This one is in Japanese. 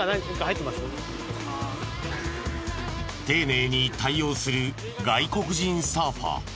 丁寧に対応する外国人サーファー。